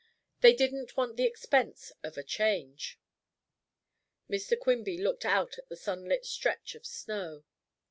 They didn't want the expense of a change." Mr. Quimby looked out at the sunlit stretch of snow.